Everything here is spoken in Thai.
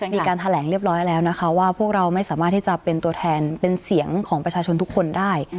มีการแถลงเรียบร้อยแล้วนะคะว่าพวกเราไม่สามารถที่จะเป็นตัวแทนเป็นเสียงของประชาชนทุกคนได้